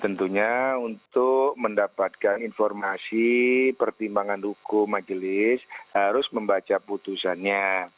tentunya untuk mendapatkan informasi pertimbangan hukum majelis harus membaca putusannya